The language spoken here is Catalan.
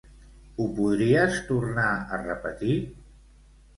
Ho podries tornar a repetir?